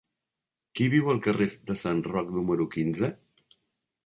Qui viu al carrer de Sant Roc número quinze?